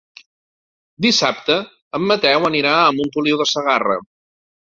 Dissabte en Mateu anirà a Montoliu de Segarra.